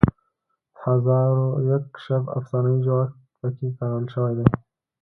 د هزار و یک شب افسانوي جوړښت پکې کارول شوی دی.